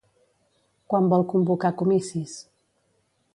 Quan vol convocar comicis?